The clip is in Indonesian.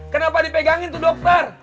kenapa dipegangin tuh dokter